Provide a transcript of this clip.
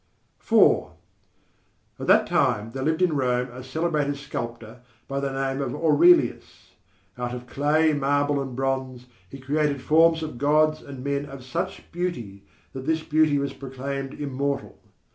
IV At that time there lived in Rome a celebrated sculptor by the name of Aurelius. Out of clay, marble and bronze he created forms of gods and men of such beauty that this beauty was proclaimed immortal.